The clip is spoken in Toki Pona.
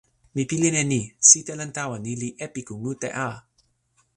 mi pilin e ni: sitelen tawa ni li epiku mute a!